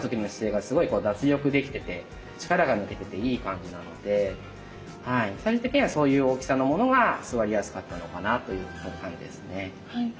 力が抜けてていい感じなので最終的にはそういう大きさのものが座りやすかったのかなという感じですね。